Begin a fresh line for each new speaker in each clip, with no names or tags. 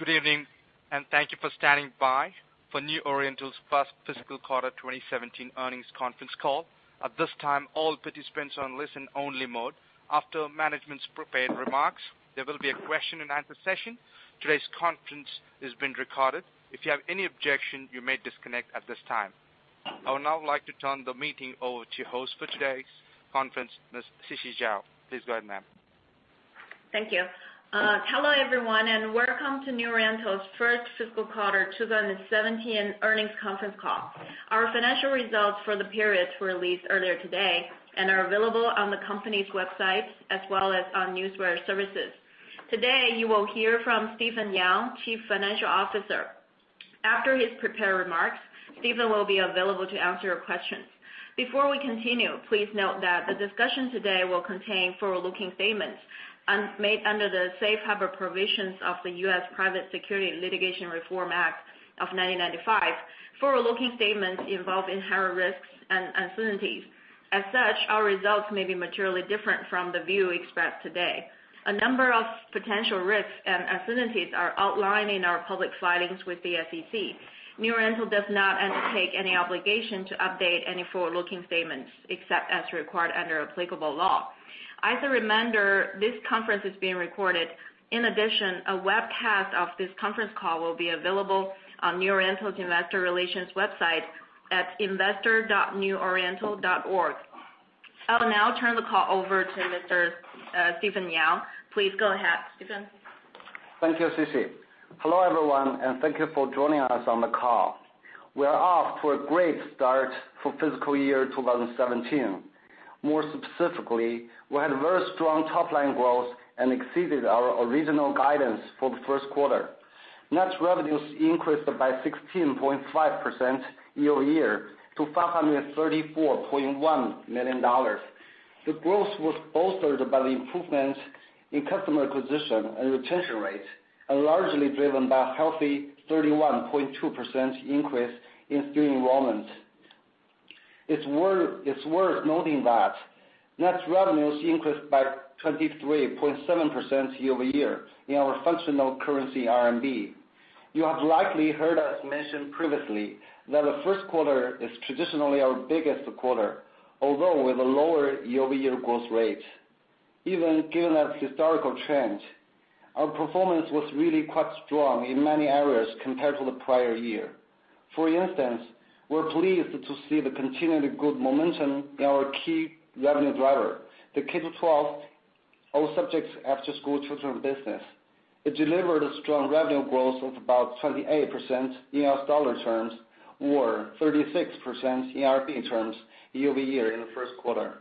Good evening, and thank you for standing by for New Oriental's first fiscal quarter 2017 earnings conference call. At this time, all participants are on listen-only mode. After management's prepared remarks, there will be a question and answer session. Today's conference is being recorded. If you have any objection, you may disconnect at this time. I would now like to turn the meeting over to host for today's conference, Ms. Sisi Zhao. Please go ahead, ma'am.
Thank you. Hello, everyone, and welcome to New Oriental's first fiscal quarter 2017 earnings conference call. Our financial results for the period were released earlier today and are available on the company's website as well as on Newswire services. Today, you will hear from Stephen Yang, Chief Financial Officer. After his prepared remarks, Steven will be available to answer your questions. Before we continue, please note that the discussion today will contain forward-looking statements made under the safe harbor provisions of the US Private Securities Litigation Reform Act of 1995. Forward-looking statements involve inherent risks and uncertainties. As such, our results may be materially different from the view expressed today. A number of potential risks and uncertainties are outlined in our public filings with the SEC. New Oriental does not undertake any obligation to update any forward-looking statements, except as required under applicable law. As a reminder, this conference is being recorded. In addition, a webcast of this conference call will be available on New Oriental's investor relations website at investor.neworiental.org. I will now turn the call over to Mr. Stephen Yang. Please go ahead, Stephen.
Thank you, Sisi. Hello, everyone, and thank you for joining us on the call. We are off to a great start for fiscal year 2017. More specifically, we had very strong top-line growth and exceeded our original guidance for the first quarter. Net revenues increased by 16.5% year-over-year to $534.1 million. The growth was bolstered by the improvements in customer acquisition and retention rates and largely driven by a healthy 31.2% increase in student enrollment. It's worth noting that net revenues increased by 23.7% year-over-year in our functional currency, RMB. You have likely heard us mention previously that the first quarter is traditionally our biggest quarter, although with a lower year-over-year growth rate. Even given that historical trend, our performance was really quite strong in many areas compared to the prior year. For instance, we're pleased to see the continued good momentum in our key revenue driver, the K-12 all subjects after-school tutoring business. It delivered a strong revenue growth of about 28% in US dollar terms or 36% in RMB terms year-over-year in the first quarter,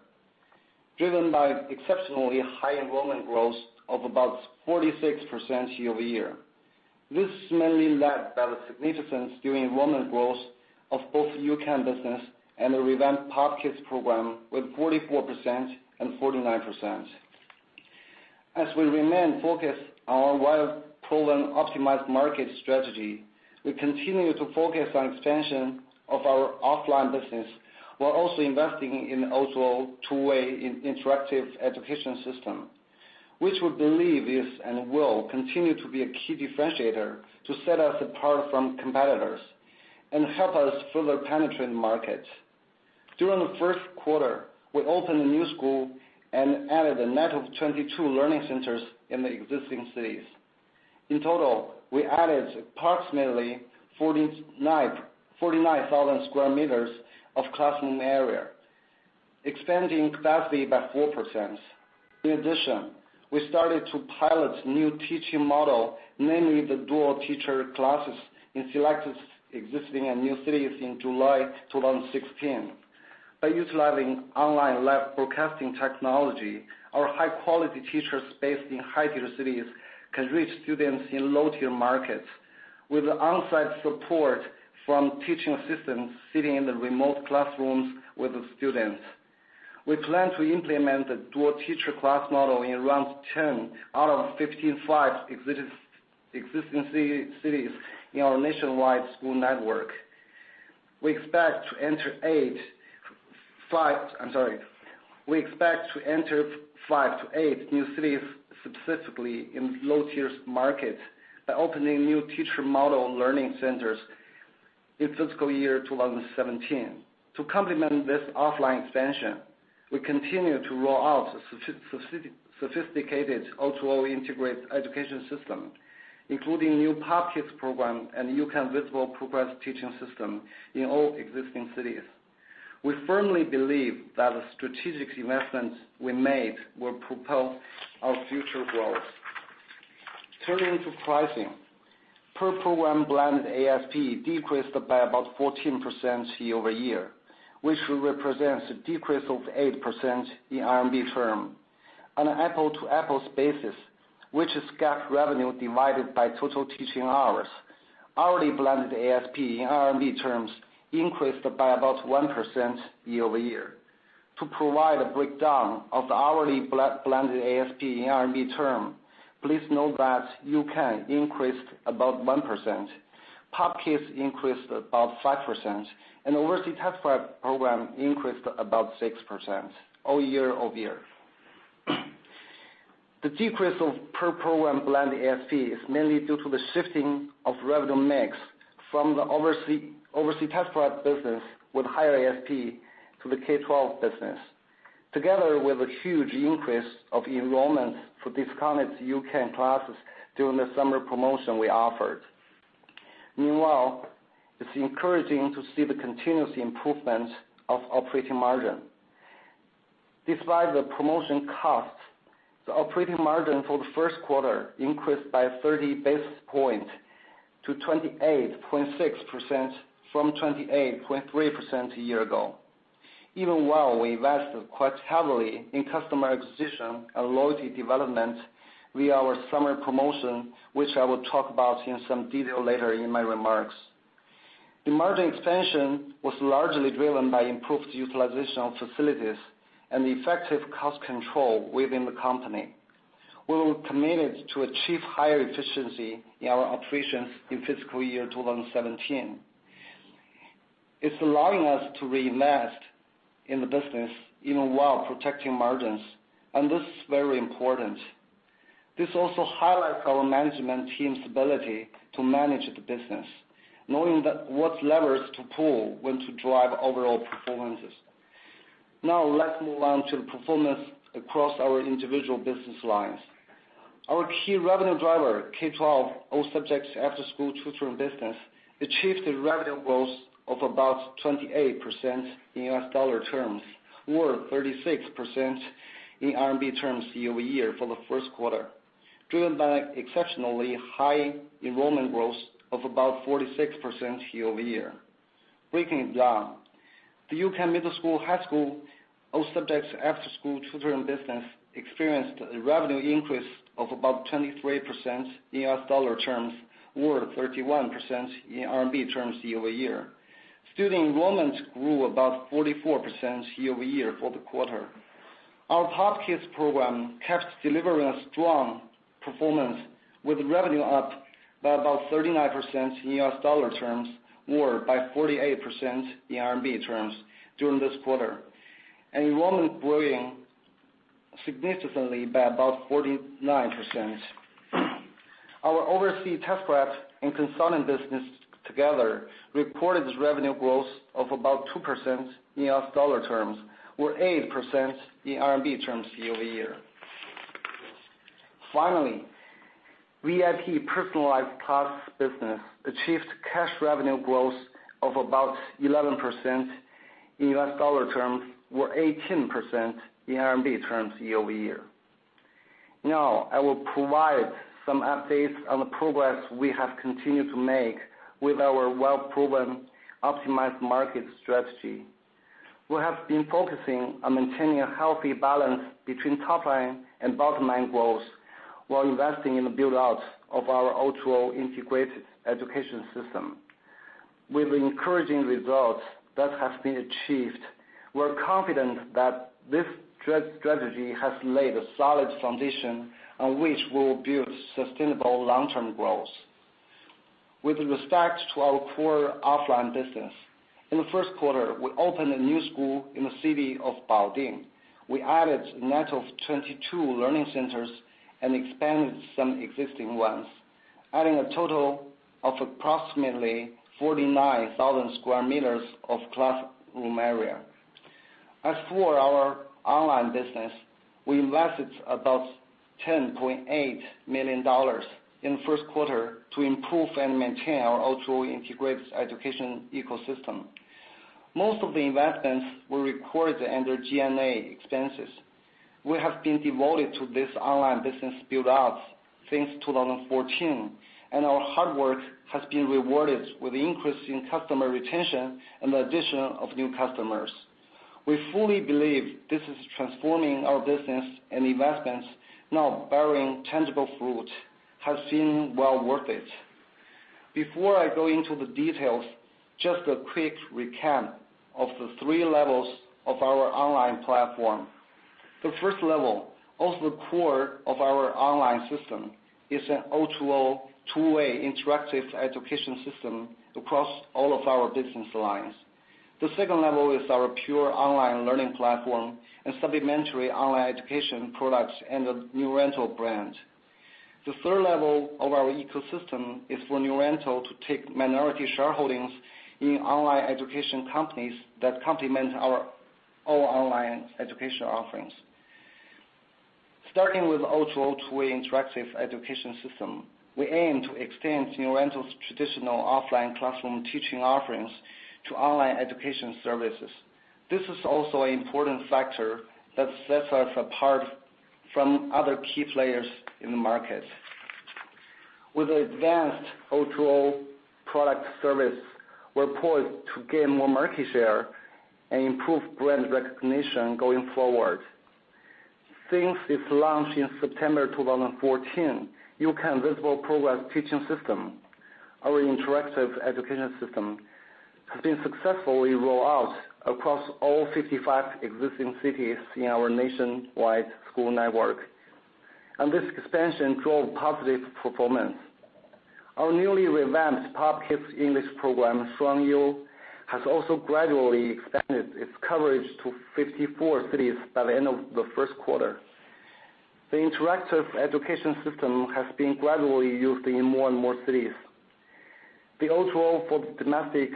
driven by exceptionally high enrollment growth of about 46% year-over-year. This is mainly led by the significant student enrollment growth of both U-Can business and the revamped POP Kids program with 44% and 49%. As we remain focused on our well-proven optimized market strategy, we continue to focus on expansion of our offline business while also investing in O2O two-way interactive education system, which we believe is and will continue to be a key differentiator to set us apart from competitors and help us further penetrate the market. During the first quarter, we opened a new school and added a net of 22 learning centers in the existing cities. In total, we added approximately 49,000 sq m of classroom area, expanding capacity by 4%. In addition, we started to pilot new teaching model, namely the dual teacher classes, in selected existing and new cities in July 2016. By utilizing online live broadcasting technology, our high-quality teachers based in high-tier cities can reach students in low-tier markets with on-site support from teaching assistants sitting in the remote classrooms with the students. We plan to implement the dual teacher class model in around 10 out of 15 existing cities in our nationwide school network. We expect to enter five to eight new cities, specifically in low-tier market, by opening new teacher model learning centers in fiscal year 2017. To complement this offline expansion, we continue to roll out sophisticated O2O integrated education system, including new POP Kids program and U-Can Visible Progress Teaching System in all existing cities. We firmly believe that the strategic investments we made will propel our future growth. Turning to pricing. Per program blended ASP decreased by about 14% year-over-year, which represents a decrease of 8% in RMB terms. On an apple-to-apples basis, which is GAAP revenue divided by total teaching hours, hourly blended ASP in RMB terms increased by about 1% year-over-year. To provide a breakdown of the hourly blended ASP in RMB terms, please note that U-Can increased about 1%, POP Kids increased about 5%, and the Overseas Test-Prep program increased about 6% year-over-year. The decrease of per program blended ASP is mainly due to the shifting of revenue mix from the overseas test prep business with higher ASP to the K-12 business, together with a huge increase of enrollments for discounted U-Can classes during the summer promotion we offered. Meanwhile, it's encouraging to see the continuous improvement of operating margin. Despite the promotion costs, the operating margin for the first quarter increased by 30 basis points to 28.6% from 28.3% a year ago, even while we invested quite heavily in customer acquisition and loyalty development via our summer promotion, which I will talk about in some detail later in my remarks. The margin expansion was largely driven by improved utilization of facilities and effective cost control within the company. We were committed to achieve higher efficiency in our operations in fiscal year 2017. It's allowing us to reinvest in the business even while protecting margins, and this is very important. This also highlights our management team's ability to manage the business, knowing that what levers to pull, when to drive overall performances. Now let's move on to the performance across our individual business lines. Our key revenue driver, K-12 all subjects after-school tutoring business, achieved a revenue growth of about 28% in US dollar terms or 36% in RMB terms year-over-year for the first quarter, driven by exceptionally high enrollment growth of about 46% year-over-year. Breaking it down, the U-Can middle school, high school, all subjects after-school tutoring business experienced a revenue increase of about 23% in US dollar terms or 31% in RMB terms year-over-year. Student enrollment grew about 44% year-over-year for the quarter. Our POP Kids program kept delivering a strong performance with revenue up by about 39% in US dollar terms or by 48% in RMB terms during this quarter, and enrollment growing significantly by about 49%. Our overseas test-prep and consulting business together reported revenue growth of about 2% in US dollar terms or 8% in RMB terms year-over-year. Finally, VIP personalized class business achieved cash revenue growth of about 11% in US dollar terms or 18% in RMB terms year-over-year. Now I will provide some updates on the progress we have continued to make with our well-proven optimized market strategy. We have been focusing on maintaining a healthy balance between top-line and bottom-line growth while investing in the build-out of our O2O integrated education system. With the encouraging results that have been achieved, we are confident that this strategy has laid a solid foundation on which we will build sustainable long-term growth. With respect to our core offline business, in the first quarter, we opened a new school in the city of Baoding. We added a net of 22 learning centers and expanded some existing ones, adding a total of approximately 49,000 sq m of classroom area. As for our online business, we invested about $10.8 million in the first quarter to improve and maintain our O2O integrated education ecosystem. Most of the investments were recorded under G&A expenses. We have been devoted to this online business build-out since 2014, and our hard work has been rewarded with increase in customer retention and the addition of new customers. We fully believe this is transforming our business, and investments now bearing tangible fruit has been well worth it. Before I go into the details, just a quick recap of the 3 levels of our online platform. The first level, also the core of our online system, is an O2O two-way interactive education system across all of our business lines. The second level is our pure online learning platform and supplementary online education products under New Oriental brand. The third level of our ecosystem is for New Oriental to take minority shareholdings in online education companies that complement our online education offerings. Starting with O2O two-way interactive education system, we aim to extend New Oriental's traditional offline classroom teaching offerings to online education services. This is also an important factor that sets us apart from other key players in the market. With advanced O2O product service, we're poised to gain more market share and improve brand recognition going forward. Since its launch in September 2014, U-Can Visible Progress Teaching System, our interactive education system, has been successfully rolled out across all 55 existing cities in our nationwide school network, and this expansion drove positive performance. Our newly revamped POP Kids English program, Shuangyu, has also gradually expanded its coverage to 54 cities by the end of the first quarter. The interactive education system has been gradually used in more and more cities. The O2O for domestic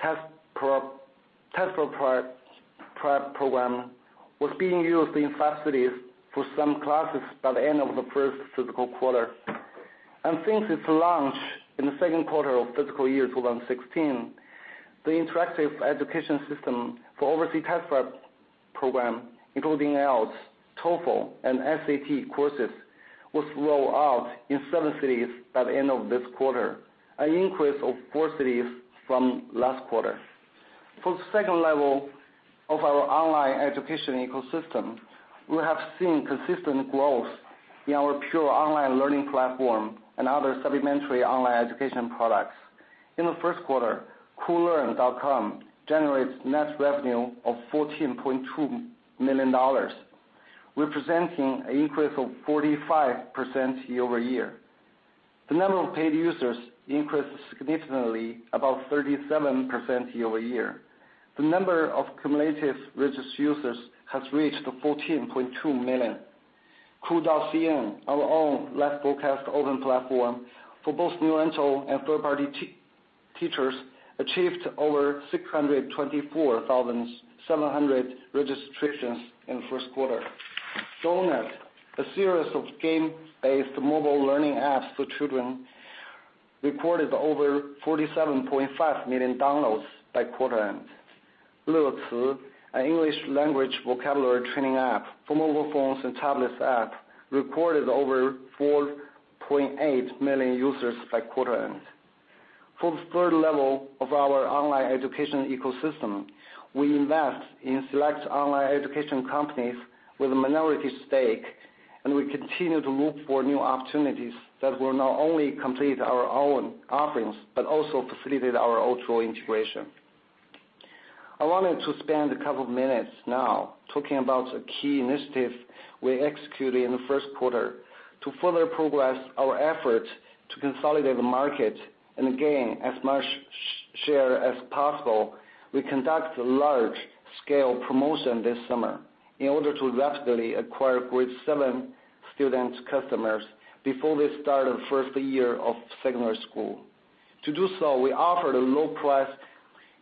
test prep program was being used in 5 cities for some classes by the end of the first fiscal quarter. Since its launch in the second quarter of fiscal year 2016, the interactive education system for overseas test prep program, including IELTS, TOEFL, and SAT courses, was rolled out in 7 cities by the end of this quarter, an increase of 4 cities from last quarter. For the second level of our online education ecosystem, we have seen consistent growth in our pure online learning platform and other supplementary online education products. In the first quarter, Koolearn.com generates net revenue of $14.2 million, representing an increase of 45% year-over-year. The number of paid users increased significantly, about 37% year-over-year. The number of cumulative registered users has reached 14.2 million. Koo.cn, our own live broadcast open platform for both New Oriental and third-party teachers, achieved over 624,700 registrations in the first quarter. Donut, a series of game-based mobile learning apps for children, recorded over 47.5 million downloads by quarter end. Leci, an English language vocabulary training app for mobile phones and tablets app, recorded over 4.8 million users by quarter end. For the third level of our online education ecosystem, we invest in select online education companies with a minority stake, and we continue to look for new opportunities that will not only complete our own offerings, but also facilitate our O2O integration. I wanted to spend a couple minutes now talking about a key initiative we executed in the first quarter. To further progress our effort to consolidate the market and gain as much share as possible, we conduct a large-scale promotion this summer in order to rapidly acquire grade 7 student customers before they start the first year of secondary school. To do so, we offered a low price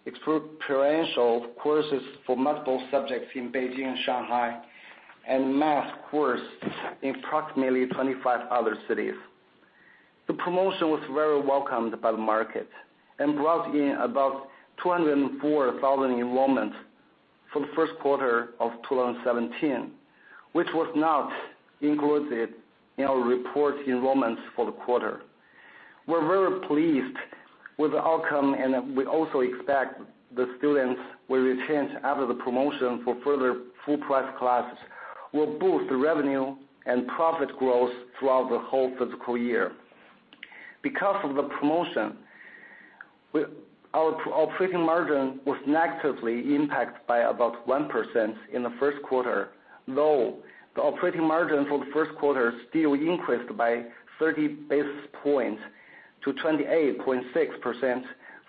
experiential courses for multiple subjects in Beijing and Shanghai, and math course in approximately 25 other cities. The promotion was very welcomed by the market and brought in about 204,000 enrollments for the first quarter of 2017, which was not included in our report enrollments for the quarter. We're very pleased with the outcome, and we also expect the students will return after the promotion for further full-price classes will boost revenue and profit growth throughout the whole fiscal year. Because of the promotion, our operating margin was negatively impacted by about 1% in the first quarter, though the operating margin for the first quarter still increased by 30 basis points to 28.6%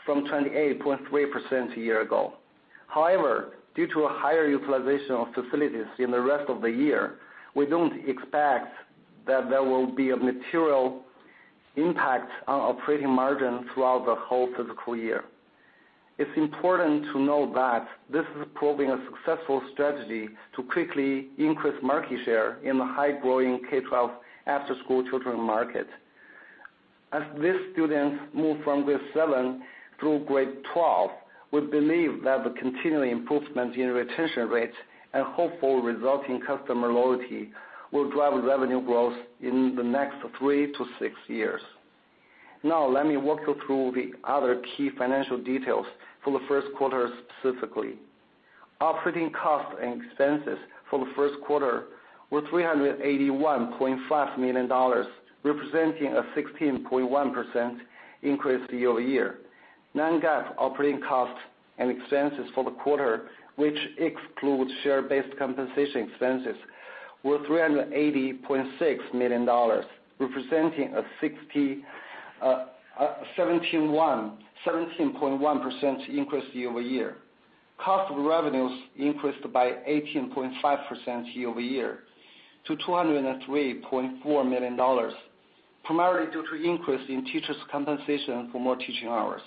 from 28.3% a year ago. However, due to a higher utilization of facilities in the rest of the year, we don't expect that there will be a material impact on operating margin throughout the whole fiscal year. It's important to note that this is proving a successful strategy to quickly increase market share in the high-growing K-12 after-school children market. As these students move from grade 7 through grade 12, we believe that the continuing improvement in retention rates and hopeful resulting customer loyalty will drive revenue growth in the next three to six years. Now, let me walk you through the other key financial details for the first quarter specifically. Operating costs and expenses for the first quarter were $381.5 million, representing a 16.1% increase year-over-year. Non-GAAP operating costs and expenses for the quarter, which excludes share-based compensation expenses, were $380.6 million, representing a 17.1% increase year-over-year. Cost of revenues increased by 18.5% year-over-year to $203.4 million, primarily due to increase in teachers' compensation for more teaching hours.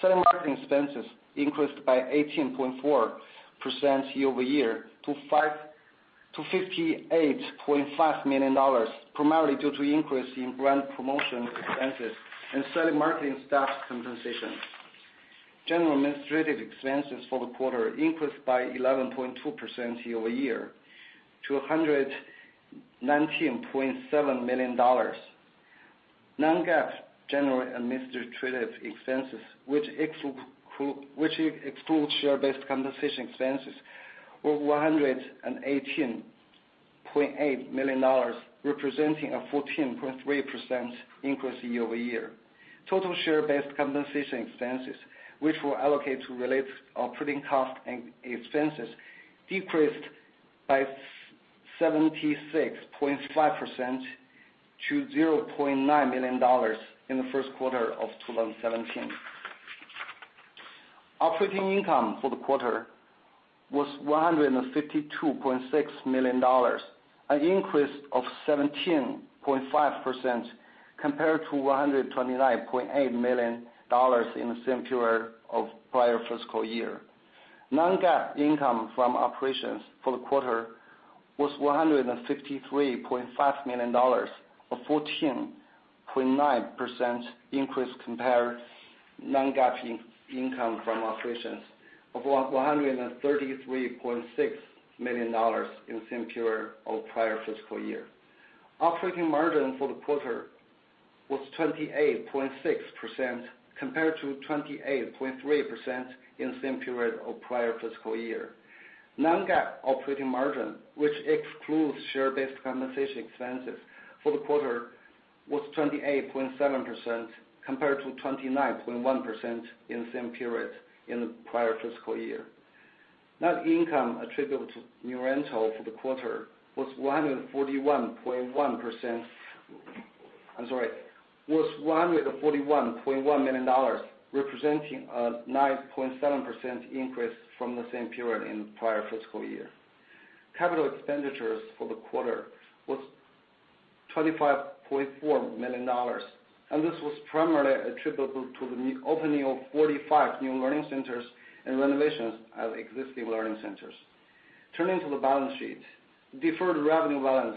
Selling marketing expenses increased by 18.4% year-over-year to $58.5 million, primarily due to increase in brand promotion expenses and selling marketing staff compensation. General administrative expenses for the quarter increased by 11.2% year-over-year to $119.7 million. Non-GAAP general administrative expenses, which excludes share-based compensation expenses, were $118.8 million, representing a 14.3% increase year-over-year. Total share-based compensation expenses, which we'll allocate to relate operating costs and expenses, decreased by 76.5% to $0.9 million in the first quarter of 2017. Operating income for the quarter was $152.6 million, an increase of 17.5% compared to $129.8 million in the same period of prior fiscal year. Non-GAAP income from operations for the quarter was $153.5 million, a 14.9% increase compared non-GAAP income from operations of $133.6 million in same period of prior fiscal year. Operating margin for the quarter was 28.6% compared to 28.3% in the same period of prior fiscal year. Non-GAAP operating margin, which excludes share-based compensation expenses for the quarter, was 28.7% compared to 29.1% in the same period in the prior fiscal year. Net income attributable to New Oriental for the quarter was 141.1%. I'm sorry, was $141.1 million, representing a 9.7% increase from the same period in the prior fiscal year. Capital expenditures for the quarter was $25.4 million, and this was primarily attributable to the opening of 45 new learning centers and renovations of existing learning centers. Turning to the balance sheet. Deferred revenue balance,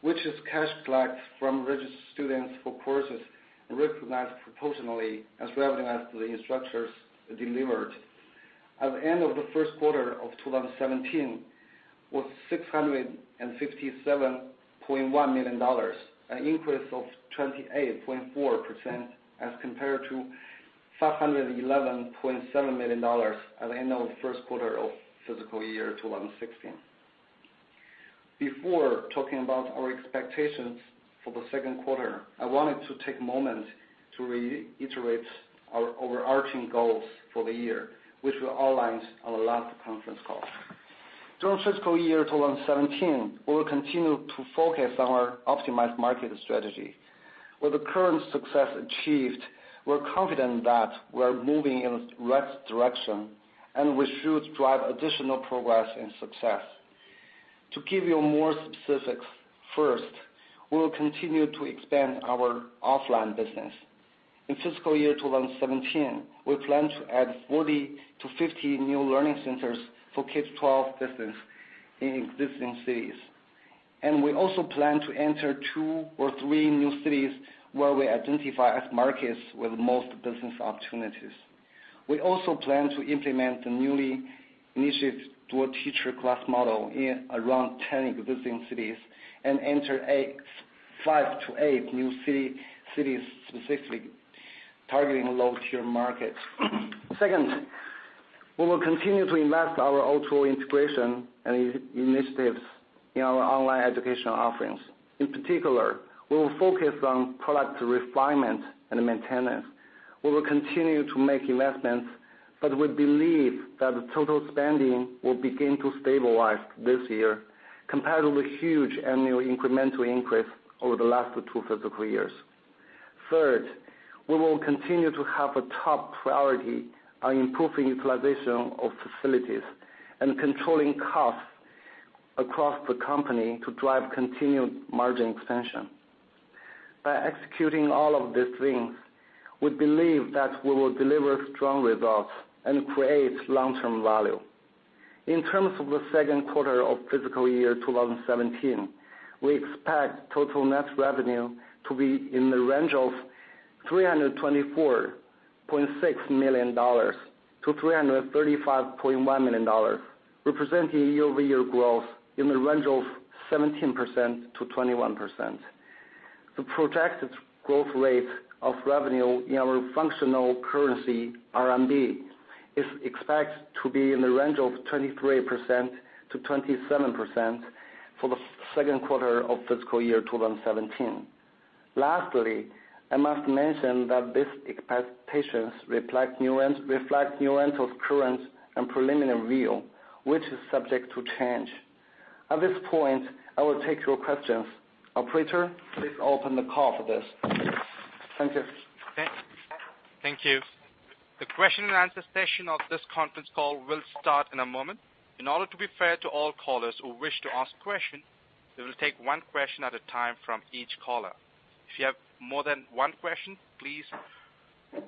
which is cash collected from registered students for courses and recognized proportionally as revenue as the instructors delivered. At the end of the first quarter of 2017 was $657.1 million, an increase of 28.4% as compared to $511.7 million at the end of the first quarter of fiscal year 2016. Before talking about our expectations for the second quarter, I wanted to take a moment to reiterate our overarching goals for the year, which were outlined on the last conference call. During fiscal year 2017, we will continue to focus on our optimized market strategy. With the current success achieved, we're confident that we're moving in the right direction and we should drive additional progress and success. To give you more specifics, first, we will continue to expand our offline business. In fiscal year 2017, we plan to add 40-50 new learning centers for K-12 business in existing cities. We also plan to enter two or three new cities where we identify as markets with the most business opportunities. We also plan to implement the new initiatives to a teacher class model in around 10 existing cities and enter 5-8 new cities, specifically targeting low-tier markets. Second, we will continue to invest our O2O integration and initiatives in our online educational offerings. In particular, we will focus on product refinement and maintenance. We will continue to make investments, but we believe that the total spending will begin to stabilize this year compared with huge annual incremental increase over the last two fiscal years. Third, we will continue to have a top priority on improving utilization of facilities and controlling costs across the company to drive continued margin expansion. By executing all of these things, we believe that we will deliver strong results and create long-term value. In terms of the second quarter of fiscal year 2017, we expect total net revenue to be in the range of $324.6 million-$335.1 million, representing year-over-year growth in the range of 17%-21%. The projected growth rate of revenue in our functional currency, RMB, is expected to be in the range of 23%-27% for the second quarter of fiscal year 2017. Lastly, I must mention that these expectations reflect New Oriental's current and preliminary view, which is subject to change. At this point, I will take your questions. Operator, please open the call for this. Thank you.
Thank you. The question and answer session of this conference call will start in a moment. In order to be fair to all callers who wish to ask questions, we will take one question at a time from each caller. If you have more than one question, please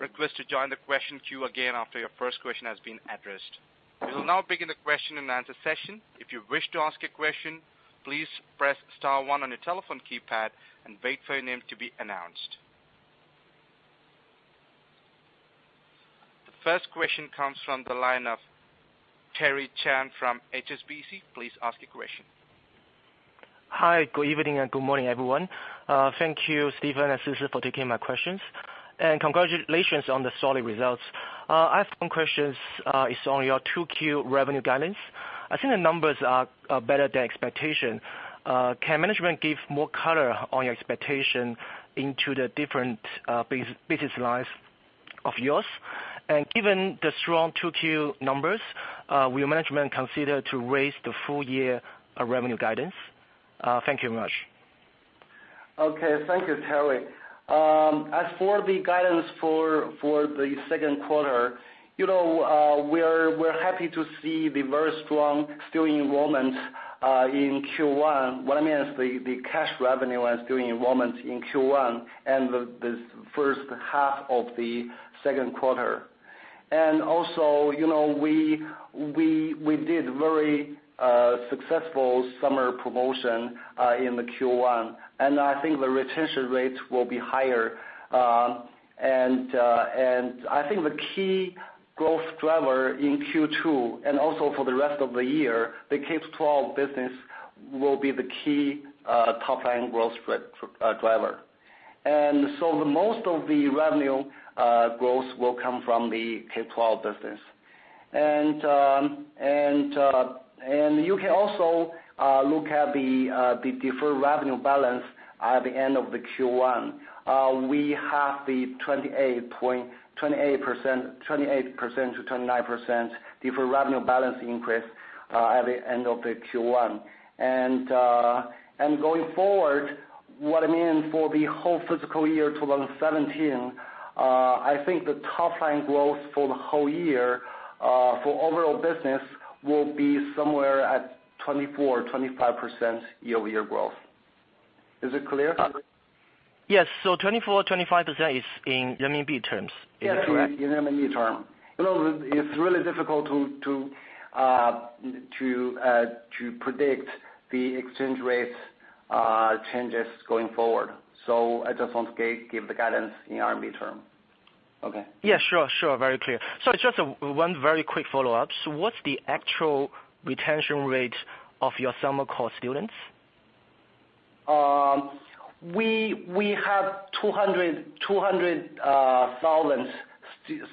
request to join the question queue again after your first question has been addressed. We will now begin the question and answer session. If you wish to ask a question, please press star one on your telephone keypad and wait for your name to be announced. The first question comes from the line of Terry Chen from HSBC. Please ask your question.
Hi. Good evening and good morning, everyone. Thank you, Stephen and Sisi, for taking my questions, and congratulations on the solid results. I have some questions, it's on your 2Q revenue guidance. I think the numbers are better than expectation. Can management give more color on your expectation into the different business lines? Of yours. Given the strong 2Q numbers, will management consider to raise the full year revenue guidance? Thank you very much.
Thank you, Terry. As for the guidance for the second quarter, we're happy to see the very strong student enrollment in Q1. What I mean is the cash revenue and student enrollment in Q1, and the first half of the second quarter. We did very successful summer promotion in the Q1, and I think the retention rate will be higher. I think the key growth driver in Q2, and also for the rest of the year, the K-12 business will be the key top-line growth driver. Most of the revenue growth will come from the K-12 business. You can also look at the deferred revenue balance at the end of the Q1. We have the 28%-29% deferred revenue balance increase, at the end of the Q1. Going forward, what I mean for the whole fiscal year 2017, I think the top-line growth for the whole year, for overall business will be somewhere at 24% or 25% year-over-year growth. Is it clear?
Yes. 24%, 25% is in RMB terms, is that correct?
Yes. In RMB term. It's really difficult to predict the exchange rate changes going forward. I just want to give the guidance in RMB term. Okay.
Sure. Just one very quick follow-up. What's the actual retention rate of your summer course students?
We have 200,000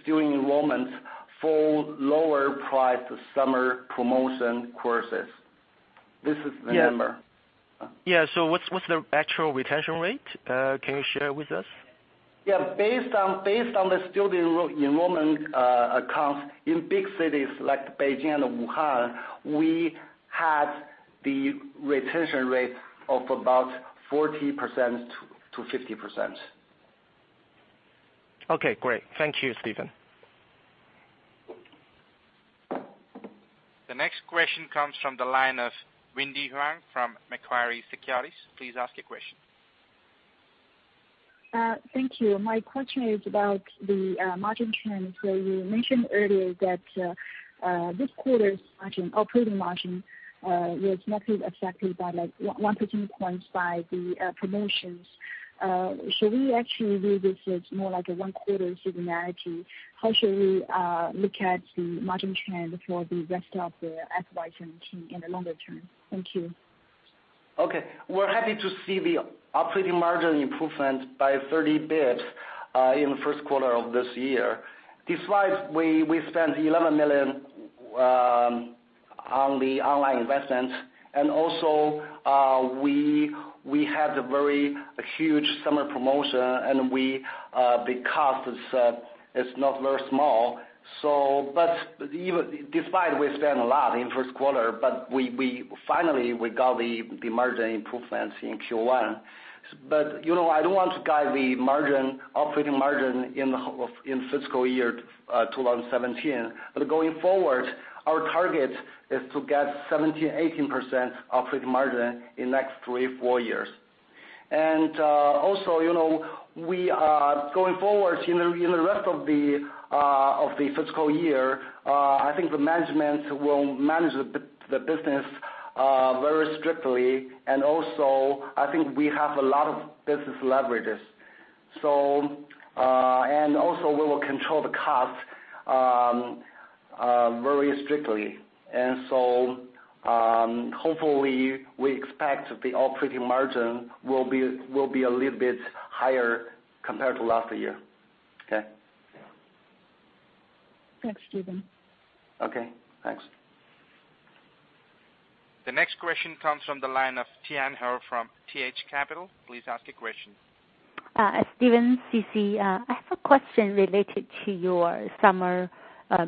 student enrollments for lower priced summer promotion courses. This is the number.
What's the actual retention rate? Can you share with us?
Based on the student enrollment accounts in big cities like Beijing and Wuhan, we had the retention rate of about 40%-50%.
Okay, great. Thank you, Stephen.
The next question comes from the line of Wendy Huang from Macquarie Securities. Please ask your question.
Thank you. My question is about the margin trend where you mentioned earlier that this quarter's operating margin was negatively affected by like one percentage point by the promotions. Should we actually view this as more like a one-quarter seasonality? How should we look at the margin trend for the rest of the FY 2017 team in the longer term? Thank you.
Okay. We're happy to see the operating margin improvement by 30 basis points in the first quarter of this year. Despite we spent $11 million on the online investment, and also we had a very huge summer promotion, and the cost is not very small. Despite we spent a lot in the first quarter, finally we got the margin improvements in Q1. I don't want to guide the operating margin in fiscal year 2017. Going forward, our target is to get 17%-18% operating margin in next three, four years. Going forward in the rest of the fiscal year, I think the management will manage the business very strictly, and also, I think we have a lot of business leverages. Also we will control the cost very strictly. Hopefully we expect the operating margin will be a little bit higher compared to last year. Okay?
Thanks, Stephen.
Okay, thanks.
The next question comes from the line of Tian Hou from TH Capital. Please ask your question.
Stephen, Sisi. I have a question related to your summer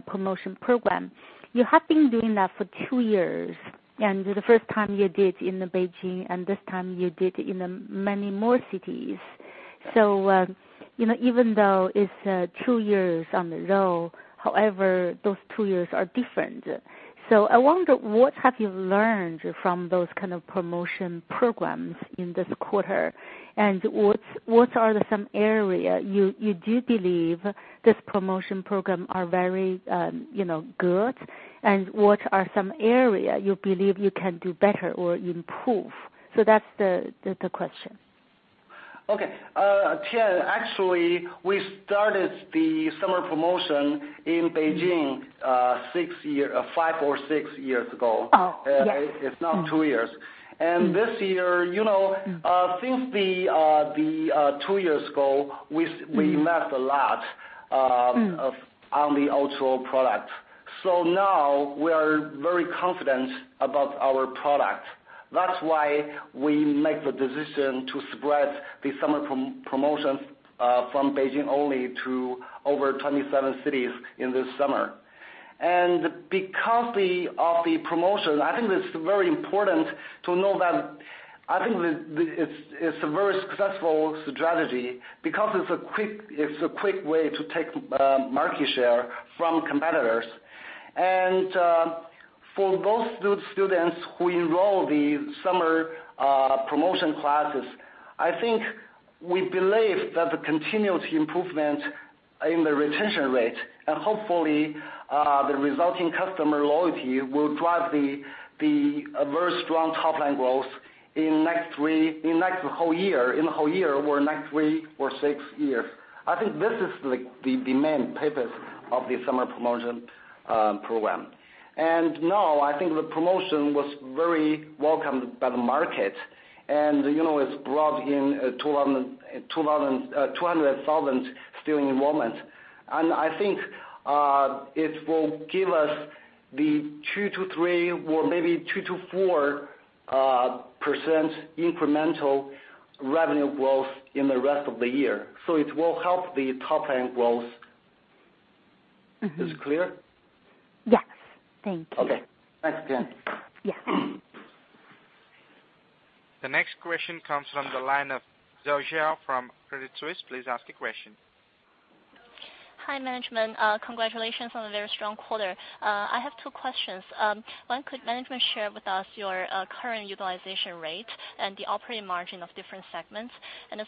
promotion program. You have been doing that for two years, the first time you did in Beijing, this time you did in many more cities. Even though it's two years in a row, however, those two years are different. I wonder, what have you learned from those kind of promotion programs in this quarter, what are some areas you do believe this promotion program is very good, what are some areas you believe you can do better or improve? That's the question.
Okay. Tian, actually, we started the summer promotion in Beijing five or six years ago.
Oh, yes.
It's not two years. This year, since two years ago, we learned a lot on the O2O product. Now we are very confident about our product. That's why we make the decision to spread the summer promotions from Beijing only to over 27 cities in this summer. Because of the promotion, I think it's very important to know that it's a very successful strategy because it's a quick way to take market share from competitors. For those students who enroll in the summer promotion classes, I think we believe that the continuous improvement in the retention rate and hopefully the resulting customer loyalty will drive the very strong top line growth in the whole year or next three or six years. I think this is the main purpose of the summer promotion program. Now, I think the promotion was very welcomed by the market, and it's brought in 200,000 student enrollment. I think it will give us the 2%-3% or maybe 2%-4% incremental revenue growth in the rest of the year. It will help the top line growth. Is clear?
Yes. Thank you.
Okay. Thanks again.
Yeah.
The next question comes from the line of Credit Suisse. Please ask your question.
Hi, management. Congratulations on a very strong quarter. I have two questions. One, could management share with us your current utilization rate and the operating margin of different segments? The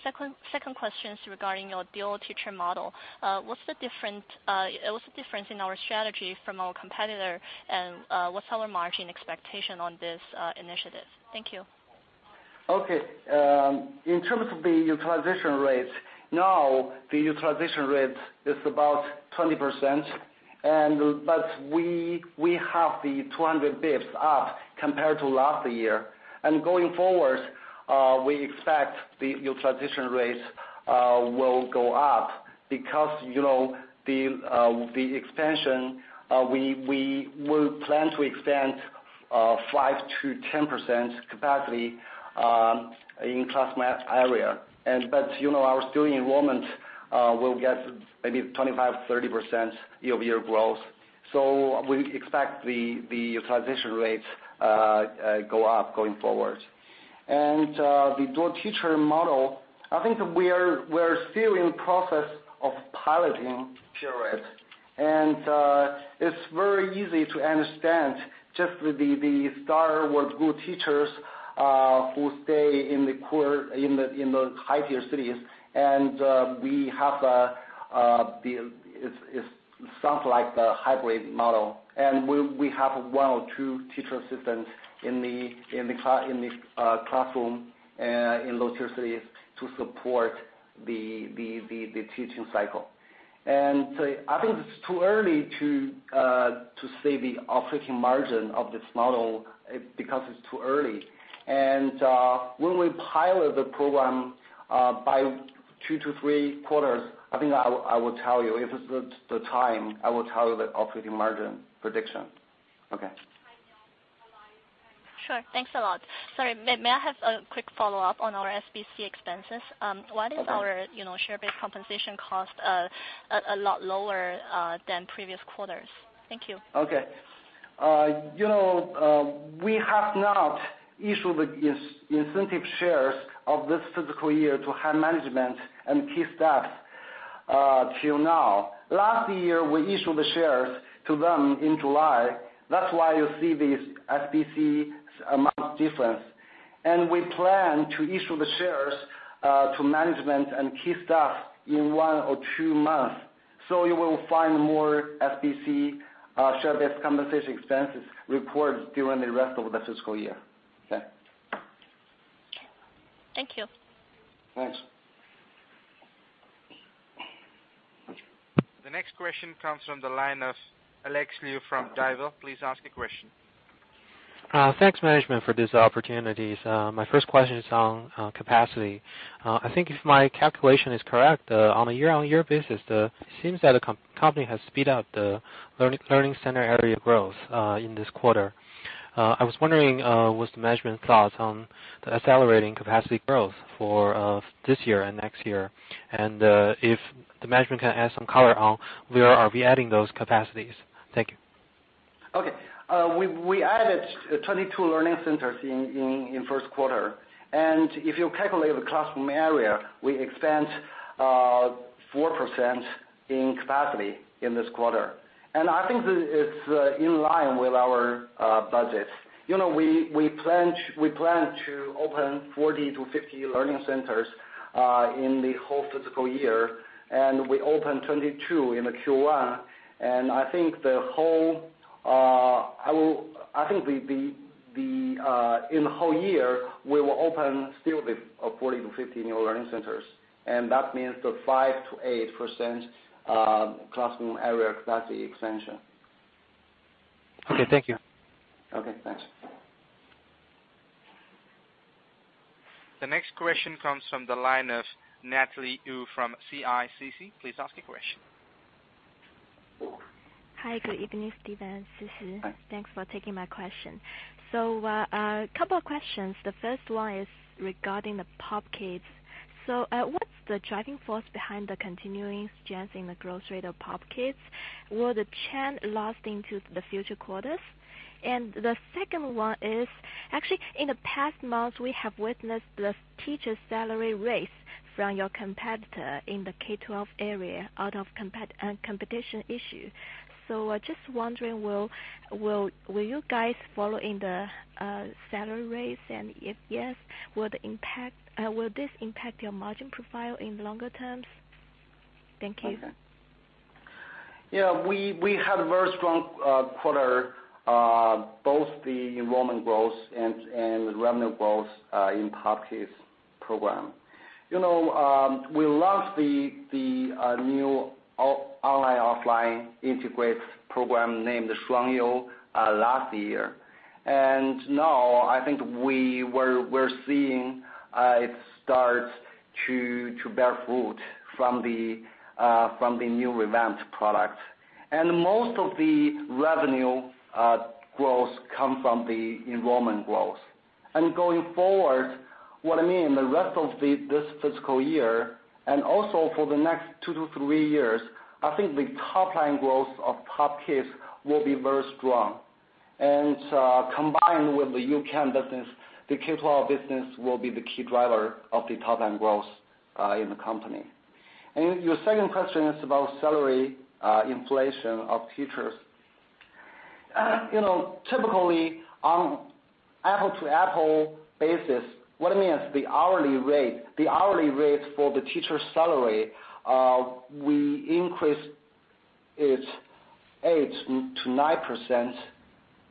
second question is regarding your dual teacher model. What's the difference in our strategy from our competitor and what's our margin expectation on this initiative? Thank you.
In terms of the utilization rate, now the utilization rate is about 20%, but we have the 200 basis points up compared to last year. Going forward, we expect the utilization rates will go up because the expansion, we will plan to expand 5% to 10% capacity in classroom area. Our student enrollment will get maybe 25%, 30% year-over-year growth. We expect the utilization rates go up going forward. The dual teacher model, I think we're still in process of piloting period. It's very easy to understand just the star or good teachers who stay in the high-tier cities. It sounds like the hybrid model. We have one or two teacher assistants in the classroom in lower-tier cities to support the teaching cycle. I think it's too early to say the operating margin of this model because it's too early. When we pilot the program by two to three quarters, I think I will tell you. If it's the time, I will tell you the operating margin prediction. Okay.
Sure. Thanks a lot. Sorry. May I have a quick follow-up on our SBC expenses?
Okay.
Why is our share-based compensation cost a lot lower than previous quarters? Thank you.
Okay. We have not issued the incentive shares of this fiscal year to high management and key staff till now. Last year, we issued the shares to them in July. That's why you see this SBC amount difference. We plan to issue the shares to management and key staff in one or two months. You will find more SBC, share-based compensation expenses reported during the rest of the fiscal year. Okay.
Thank you.
Thanks.
The next question comes from the line of Alex Liu from Daiwa. Please ask a question.
Thanks, management, for this opportunity. My first question is on capacity. I think if my calculation is correct, on a year-on-year basis, it seems that the company has sped up the learning center area growth in this quarter. I was wondering what is the management thought on accelerating capacity growth for this year and next year, and if the management can add some color on where are we adding those capacities. Thank you.
Okay. We added 22 learning centers in first quarter. If you calculate the classroom area, we expand 4% in capacity in this quarter. I think it is in line with our budget. We plan to open 40 to 50 learning centers in the whole fiscal year. We opened 22 in the Q1. I think in the whole year, we will open still the 40 to 50 new learning centers, and that means the 5%-8% classroom area capacity expansion.
Okay. Thank you.
Okay. Thanks.
The next question comes from the line of Natalie Wu from CICC. Please ask your question.
Hi, good evening, Stephen. This is Wu. Thanks for taking my question. A couple of questions. The first one is regarding the POP Kids. What's the driving force behind the continuing strength in the growth rate of POP Kids? Will the trend last into the future quarters? The second one is, actually, in the past month, we have witnessed the teacher salary raise from your competitor in the K-12 area out of a competition issue. Just wondering, will you guys follow in the salary raise? If yes, will this impact your margin profile in longer terms? Thank you.
Okay. Yeah, we had a very strong quarter, both the enrollment growth and revenue growth in POP Kids program. We launched the new online, offline integrated program named [Sanhao] last year. Now, I think we're seeing it start to bear fruit from the new revamped product. Most of the revenue growth come from the enrollment growth. Going forward, what I mean, the rest of this fiscal year, and also for the next two to three years, I think the top line growth of POP Kids will be very strong. Combined with the U-Can business, the K-12 business will be the key driver of the top line growth in the company. Your second question is about salary inflation of teachers. Typically, on apple-to-apple basis, what I mean is the hourly rate for the teacher's salary, we increased it 8%-9%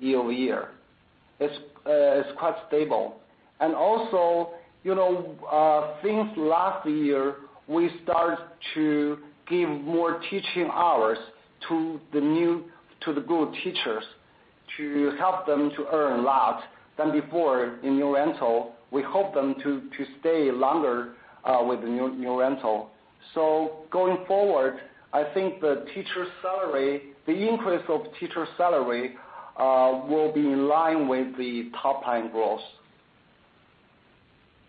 year-over-year. It's quite stable. Also since last year, we start to give more teaching hours to the good teachers to help them to earn a lot than before in New Oriental. We hope they stay longer with New Oriental. Going forward, I think the increase of teacher salary will be in line with the top-line growth.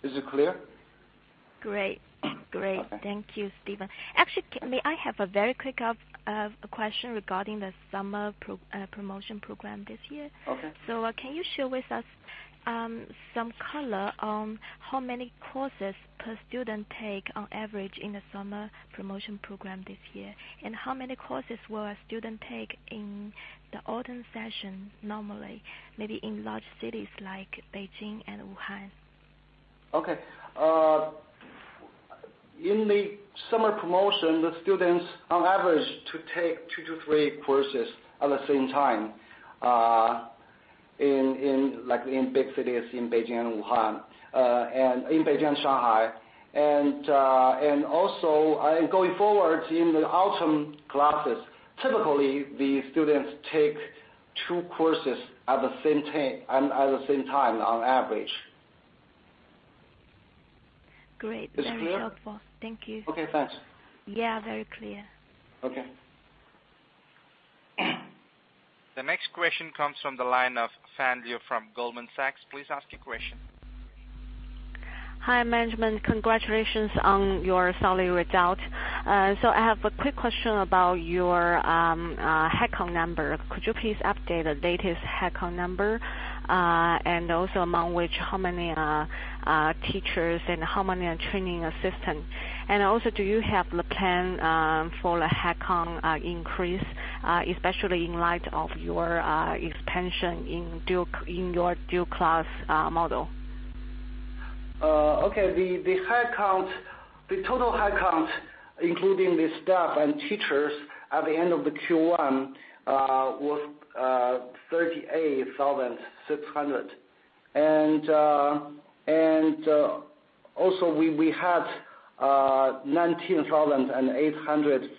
Is it clear?
Great. Great.
Okay.
Thank you, Stephen. Actually, may I have a very quick question regarding the summer promotion program this year?
Okay.
Can you share with us some color on how many courses per student take on average in the summer promotion program this year? How many courses will a student take in the autumn session normally, maybe in large cities like Beijing and Wuhan?
Okay. In the summer promotion, the students on average take two to three courses at the same time, like in big cities in Beijing and Shanghai. Also, going forward in the autumn classes, typically the students take two courses at the same time on average.
Great.
Is it clear?
Very helpful. Thank you.
Okay, thanks.
Yeah, very clear.
Okay.
The next question comes from the line of Fan Liu from Goldman Sachs. Please ask your question.
Hi, management. Congratulations on your solid result. I have a quick question about your headcount number. Could you please update the latest headcount number, and also among which, how many are teachers and how many are training assistants? Do you have the plan for the headcount increase, especially in light of your expansion in your dual teacher model?
The total headcount, including the staff and teachers at the end of the Q1, was 38,600. We had 19,800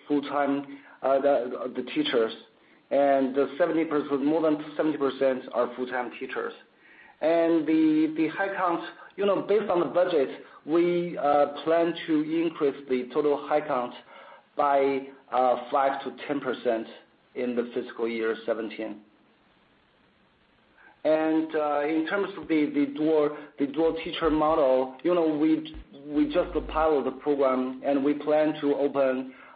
full-time teachers, and more than 70% are full-time teachers. The headcount, based on the budget, we plan to increase the total headcount by 5%-10% in the fiscal year '17. In terms of the dual teacher model, we just pilot the program, and we plan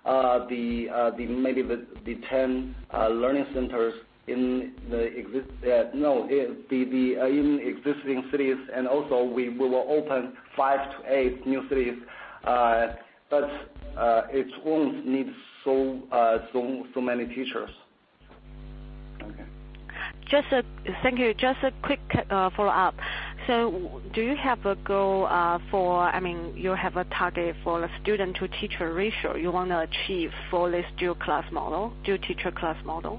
to open maybe the 10 learning centers in existing cities, and also we will open five to eight new cities. It won't need so many teachers.
Okay. Thank you. Just a quick follow-up. Do you have a target for the student-to-teacher ratio you want to achieve for this dual teacher class model?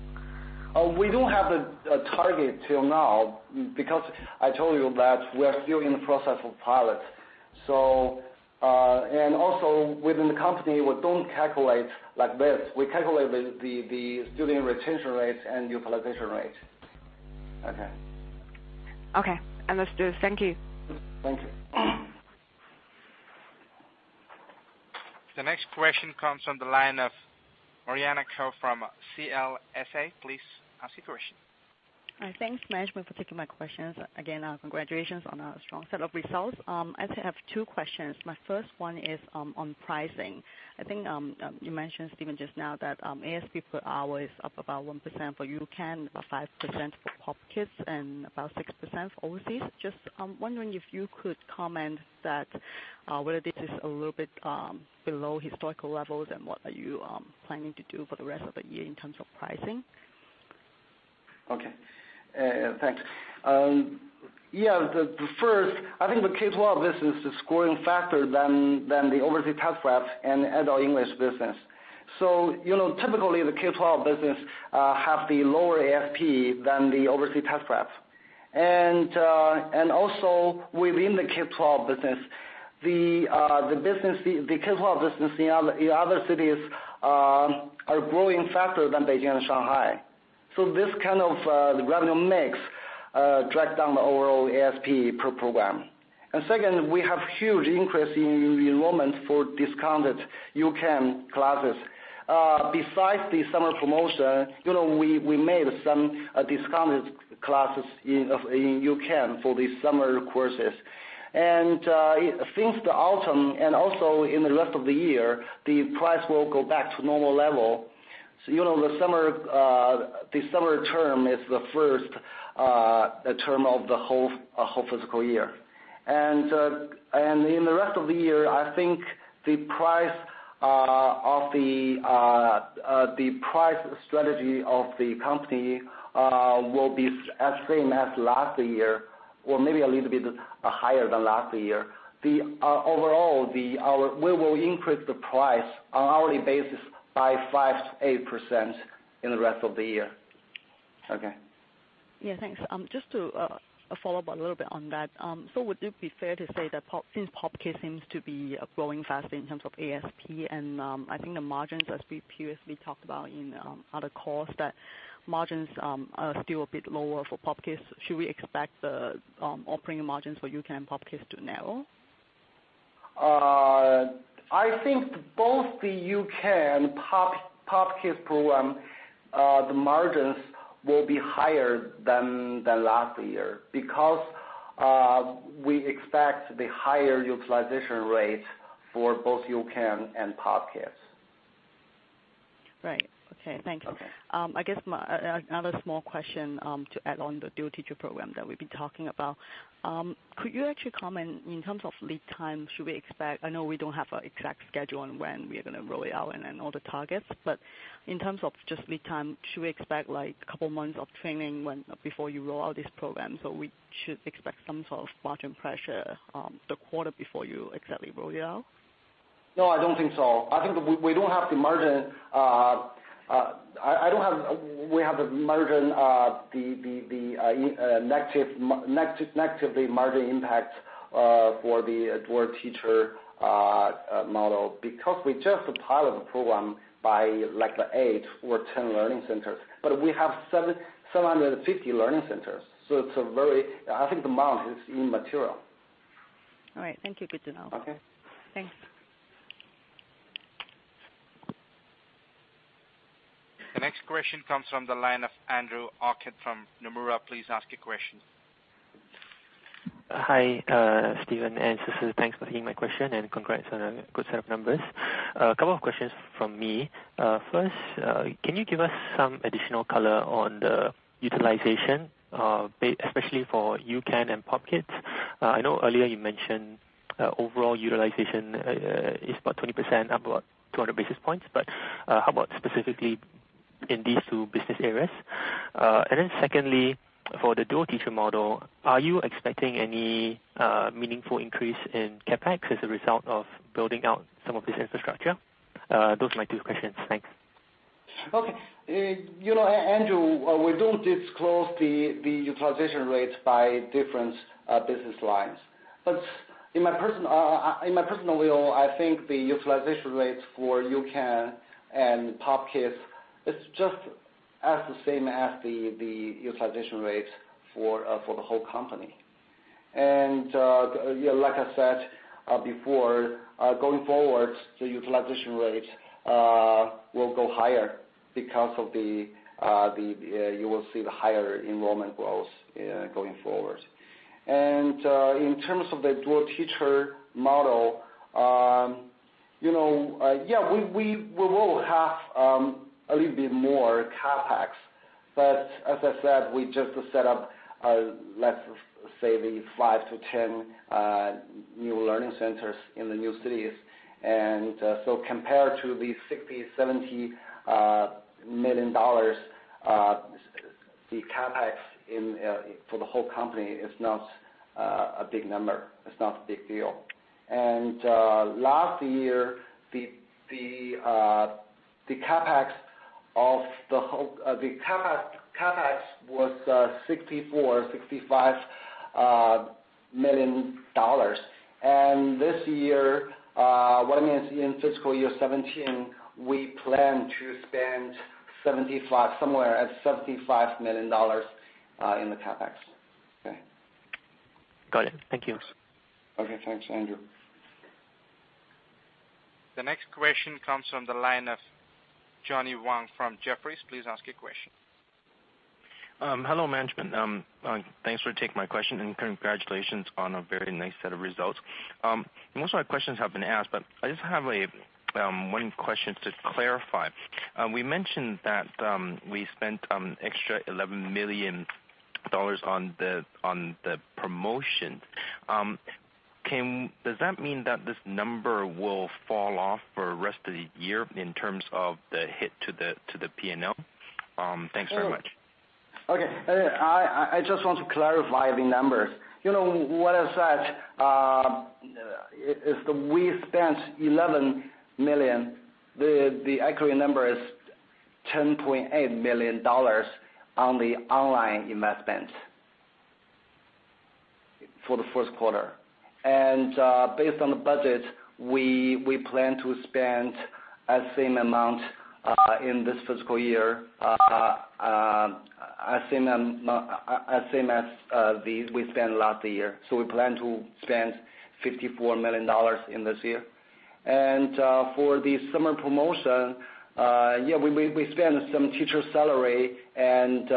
We don't have a target till now because I told you that we are still in the process of pilot. Within the company, we don't calculate like this. We calculate the student retention rates and utilization rate. Okay.
Okay, understood. Thank you.
Thank you.
The next question comes from the line of Mariana Cao from CLSA. Please ask your question.
Thanks, management for taking my questions. Again, congratulations on a strong set of results. I actually have two questions. My first one is on pricing. I think, you mentioned, Stephen, just now that, ASP per hour is up about 1% for U-Can, 5% for POP Kids, and about 6% for overseas. I'm wondering if you could comment that whether this is a little bit below historical levels, and what are you planning to do for the rest of the year in terms of pricing?
Okay. Thanks. The first, I think the K-12 business is growing faster than the overseas test prep and adult English business. Typically, the K-12 business have the lower ASP than the overseas test prep. Also within the K-12 business, the K-12 business in other cities are growing faster than Beijing and Shanghai. This kind of revenue mix drags down the overall ASP per program. Second, we have huge increase in enrollments for discounted U-Can classes. Besides the summer promotion, we made some discounted classes in U-Can for the summer courses. Since the autumn and also in the rest of the year, the price will go back to normal level. The summer term is the first term of the whole fiscal year. In the rest of the year, I think the price strategy of the company will be as same as last year or maybe a little bit higher than last year. Overall, we will increase the price on hourly basis by 5%-8% in the rest of the year. Okay.
Thanks. Just to follow up a little bit on that. Would it be fair to say that since POP Kids seems to be growing faster in terms of ASP and I think the margins, as we previously talked about in other calls, that margins are still a bit lower for POP Kids. Should we expect the operating margins for U-Can and POP Kids to narrow?
I think both the U-Can and POP Kids program, the margins will be higher than last year because we expect the higher utilization rates for both U-Can and POP Kids.
Right. Okay. Thank you.
Okay.
I guess another small question, to add on the dual teacher program that we've been talking about. Could you actually comment in terms of lead time, should we expect I know we don't have an exact schedule on when we are going to roll it out and all the targets, but in terms of just lead time, should we expect couple months of training before you roll out this program, so we should expect some sort of margin pressure, the quarter before you exactly roll it out?
No, I don't think so. I think we don't have the margin negatively margin impact for the dual teacher model because we just pilot the program by like eight or 10 learning centers. We have 750 learning centers, I think the amount is immaterial.
All right. Thank you. Good to know.
Okay.
Thanks.
The next question comes from the line of Andrew Orchard from Nomura. Please ask your question.
Hi, Stephen and Sisi. Thanks for taking my question and congrats on a good set of numbers. A couple of questions from me. First, can you give us some additional color on the utilization, especially for U-Can and POP Kids? I know earlier you mentioned overall utilization is about 20%, up about 200 basis points, how about specifically in these two business areas? Secondly, for the dual teacher model, are you expecting any meaningful increase in CapEx as a result of building out some of this infrastructure? Those are my two questions. Thanks.
Okay. Andrew, we don't disclose the utilization rates by different business lines. In my personal view, I think the utilization rates for U-Can and POP Kids, it's just as the same as the utilization rates for the whole company. Like I said before, going forward, the utilization rate will go higher because you will see the higher enrollment growth going forward. In terms of the dual teacher model, yeah, we will have a little bit more CapEx. As I said, we just set up, let's say the five to 10 new learning centers in the new cities. Compared to the $60 million-$70 million, the CapEx for the whole company is not a big number. It's not a big deal. Last year, the CapEx was $64 million, $65 million. $11 million. This year, what I mean is in FY 2017, we plan to spend somewhere at $75 million in the CapEx. Okay.
Got it. Thank you.
Okay, thanks, Andrew.
The next question comes from the line of Johnny Wong from Jefferies. Please ask your question.
Hello, management. Thanks for taking my question, and congratulations on a very nice set of results. Most of my questions have been asked, I just have one question to clarify. We mentioned that we spent an extra $11 million on the promotion. Does that mean that this number will fall off for the rest of the year in terms of the hit to the P&L? Thanks very much.
Okay. I just want to clarify the numbers. What I said is that we spent $11 million. The accurate number is $10.8 million on the online investments for the first quarter. Based on the budget, we plan to spend the same amount in this fiscal year as same as we spent last year. We plan to spend $54 million in this year. For the summer promotion, we spend some teacher salary and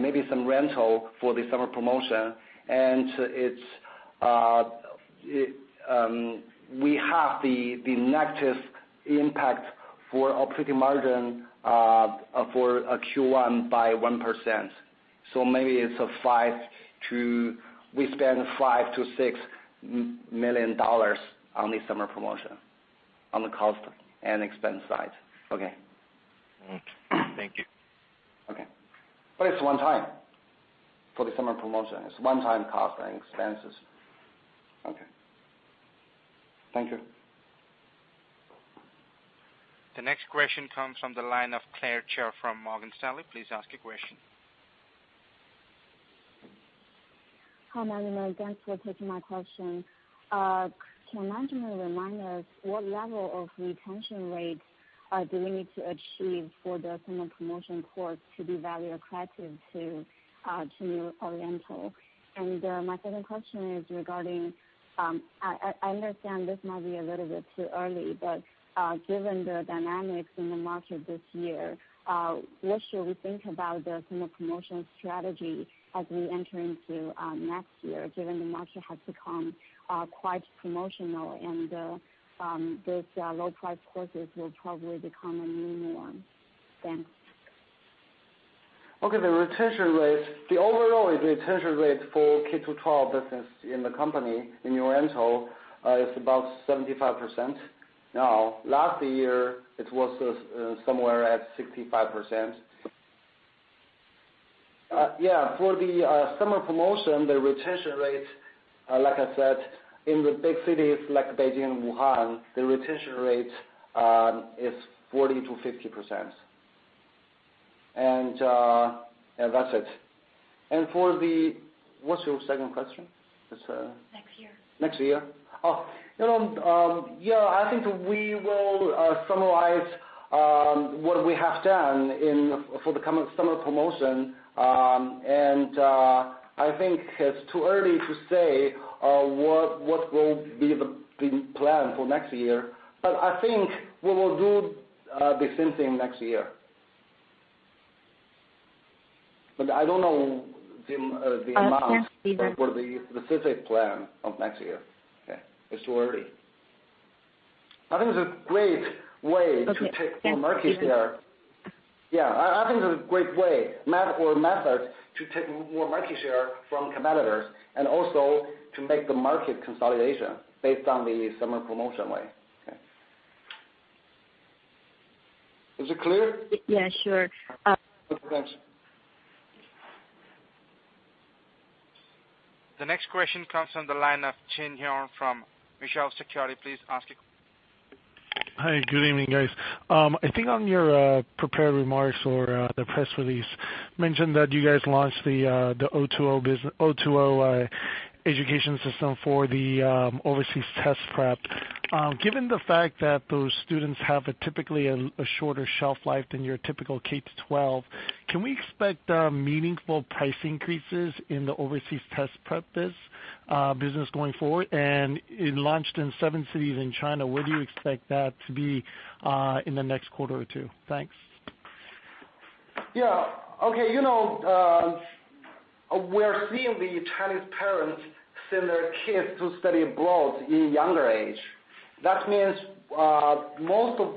maybe some rental for the summer promotion, and we have the negative impact for operating margin for Q1 by 1%. Maybe we spend $5 million-$6 million on the summer promotion on the cost and expense side. Okay.
Thank you.
Okay. It's one time for the summer promotion. It's a one-time cost and expenses. Okay. Thank you.
The next question comes from the line of Claire Zhao from Morgan Stanley. Please ask your question.
Hi, management. Thanks for taking my question. Can management remind us what level of retention rates do we need to achieve for the summer promotion course to be value accretive to New Oriental? My second question is regarding, I understand this might be a little bit too early, but given the dynamics in the market this year, what should we think about the summer promotion strategy as we enter into next year, given the market has become quite promotional and these low-price courses will probably become a new norm? Thanks.
Okay. The overall retention rate for K-12 business in the company, in New Oriental, is about 75%. Now, last year, it was somewhere at 65%. Yeah. For the summer promotion, the retention rate, like I said, in the big cities like Beijing and Wuhan, the retention rate is 40%-50%. That's it. What's your second question?
Next year.
Next year. I think we will summarize what we have done for the coming summer promotion. I think it's too early to say what will be the plan for next year. I think we will do the same thing next year. I don't know the amount.
Okay.
For the specific plan of next year. Okay. It's too early. I think it's a great way to take more market share. Yeah. I think it's a great way, method to take more market share from competitors, and also to make the market consolidation based on the summer promotion way. Okay. Is it clear?
Yeah, sure.
Okay. Thanks.
The next question comes from the line of Jin Hyong from Mizuho Securities. Please ask it.
Hi, good evening, guys. I think on your prepared remarks or the press release mentioned that you guys launched the O2O education system for the overseas test prep. Given the fact that those students have a typically a shorter shelf life than your typical K-12, can we expect meaningful price increases in the overseas test prep business going forward? It launched in seven cities in China, where do you expect that to be in the next quarter or two? Thanks.
Yeah. Okay. We're seeing the Chinese parents send their kids to study abroad in younger age. That means most of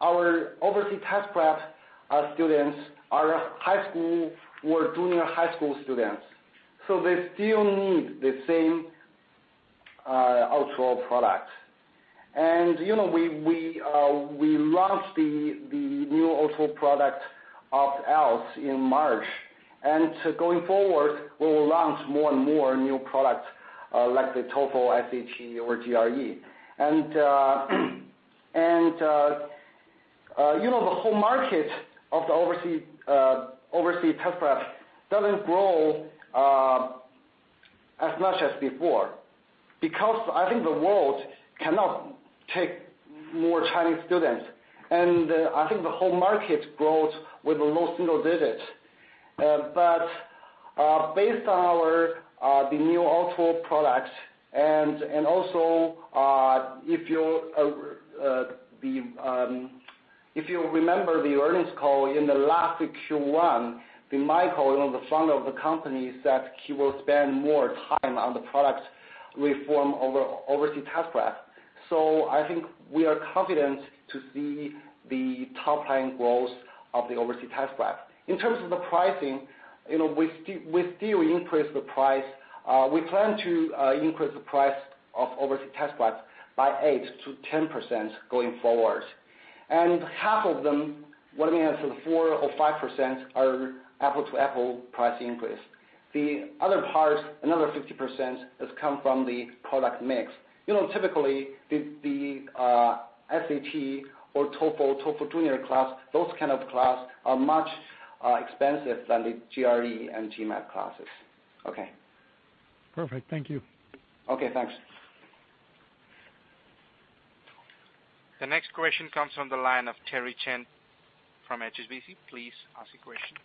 our overseas test prep students are high school or junior high school students. They still need the same O2O product. We launched the new O2O product of IELTS in March. Going forward, we will launch more and more new products like the TOEFL, SAT, or GRE. The whole market of the overseas test prep doesn't grow as much as before, because I think the world cannot take more Chinese students. I think the whole market grows with low single digits. Based on the new O2O products, and also if you remember the earnings call in the last Q1, Michael, the founder of the company, said he will spend more time on the product reform of the overseas test prep. I think we are confident to see the top-line growth of the overseas test prep. In terms of the pricing, we still increase the price. We plan to increase the price of overseas test prep by 8%-10% going forward. Half of them, whether we have 4% or 5%, are apple-to-apple price increase. The other part, another 50%, has come from the product mix. Typically, the SAT or TOEFL Junior class, those kind of class, are much expensive than the GRE and GMAT classes. Okay.
Perfect. Thank you.
Okay, thanks.
The next question comes from the line of Terry Chen from HSBC. Please ask your question.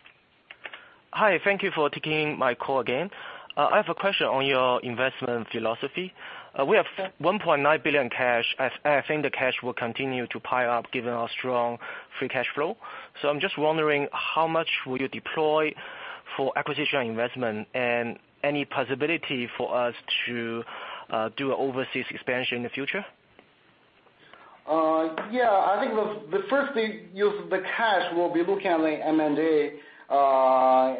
Hi. Thank you for taking my call again. I have a question on your investment philosophy. We have $1.9 billion cash. I think the cash will continue to pile up given our strong free cash flow. I'm just wondering how much will you deploy for acquisition investment, and any possibility for us to do overseas expansion in the future?
Yeah. I think the first thing, use of the cash, we'll be looking at the M&A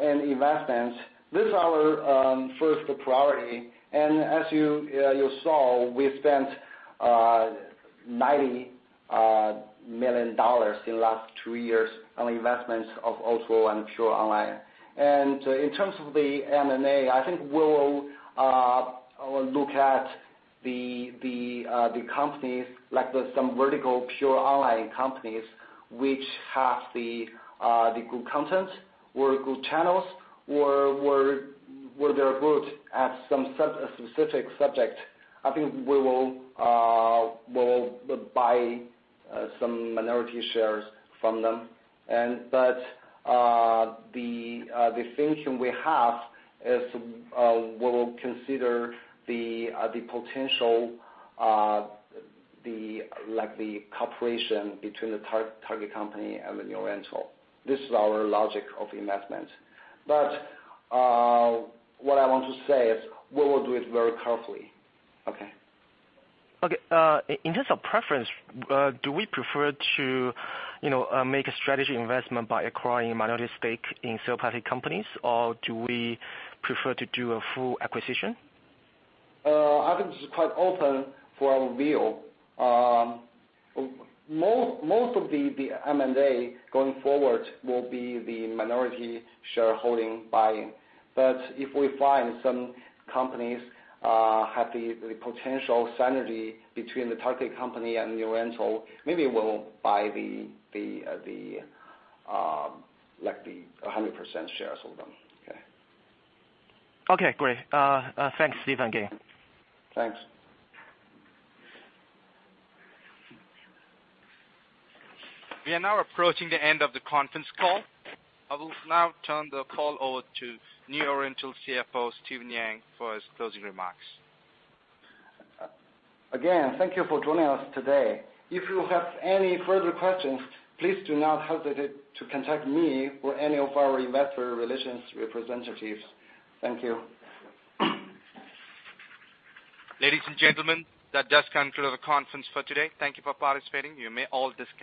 and investments. This is our first priority. As you saw, we spent $90 million in last two years on investments of O2O and Pure Online. In terms of the M&A, I think we'll look at the companies, like some vertical Pure Online companies, which have the good content or good channels, or they're good at some specific subject. I think we will buy some minority shares from them. The thinking we have is we'll consider the potential cooperation between the target company and New Oriental. This is our logic of investment. What I want to say is we will do it very carefully. Okay.
Okay. In terms of preference, do we prefer to make a strategy investment by acquiring minority stake in third party companies, or do we prefer to do a full acquisition?
I think this is quite open for our view. Most of the M&A going forward will be the minority shareholding buying. If we find some companies have the potential synergy between the target company and New Oriental, maybe we'll buy 100% shares hold them. Okay.
Okay, great. Thanks, Stephen, again.
Thanks.
We are now approaching the end of the conference call. I will now turn the call over to New Oriental CFO, Stephen Yang, for his closing remarks.
Again, thank you for joining us today. If you have any further questions, please do not hesitate to contact me or any of our investor relations representatives. Thank you.
Ladies and gentlemen, that does conclude the conference for today. Thank you for participating. You may all disconnect.